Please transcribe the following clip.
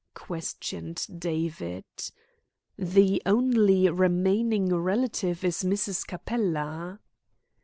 questioned David. "The only remaining relative is Mrs. Capella."